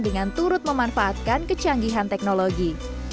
dengan turut memanfaatkan kecanggihan teknologi